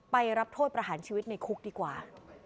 ไปรับโทษประหารชีวิตในคุกดีกว่า